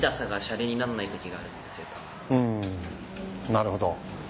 うんなるほど。